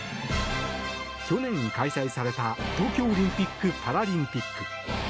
去年開催された東京オリンピック・パラリンピック。